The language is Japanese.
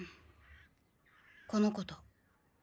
この子と。